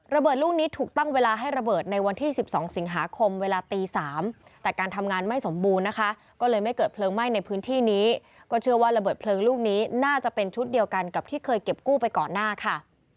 ลูกนี้ถูกตั้งเวลาให้ระเบิดในวันที่๑๒สิงหาคมเวลาตี๓แต่การทำงานไม่สมบูรณ์นะคะก็เลยไม่เกิดเพลิงไหม้ในพื้นที่นี้ก็เชื่อว่าระเบิดเพลิงลูกนี้น่าจะเป็นชุดเดียวกันกับที่เคยเก็บกู้ไปก่อนหน้าค่ะ